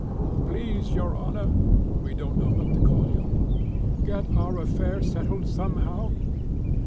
"Please, your honour (we don't know what to call you), get our affair settled somehow."